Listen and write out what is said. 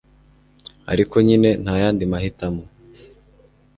ariko nyine, nta yandi mahitamo